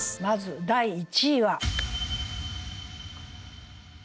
まず第１位は。